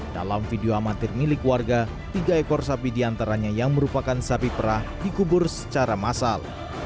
dalam video amatir milik warga tiga ekor sapi diantaranya yang merupakan sapi perah dikubur secara massal